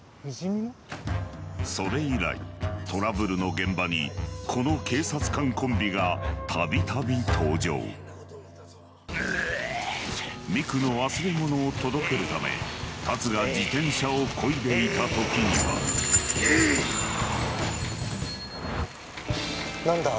それ以来トラブルの現場にこの警察官コンビがたびたび登場美久の忘れ物を届けるため龍が自転車をこいでいた時には何だ？